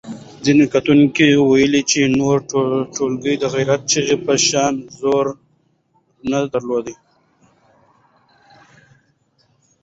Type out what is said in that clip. ځینو کتونکو وویل چې نورې ټولګې د غیرت چغې په شان زور نه درلود.